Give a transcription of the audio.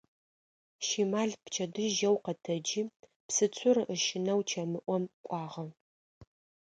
Щимал пчэдыжь жьэу къэтэджи псыцур ыщынэу чэмыӏом кӏуагъэ.